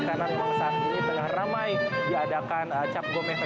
karena memang saat ini tengah ramai diadakan cap gome festival dua ribu delapan belas